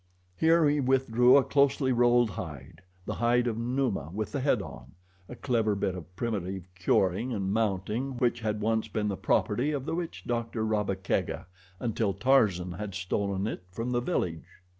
Here he withdrew a closely rolled hide the hide of Numa with the head on; a clever bit of primitive curing and mounting, which had once been the property of the witch doctor, Rabba Kega, until Tarzan had stolen it from the village.